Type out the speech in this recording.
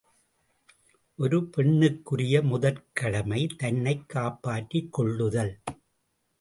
ஒரு பெண்ணுக்குரிய முதற்கடமை தன்னைக் காப்பாற்றிக் கொள்ளுதல்!